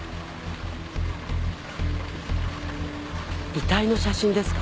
遺体の写真ですか？